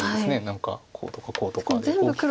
何かこうとかこうとかで大きく。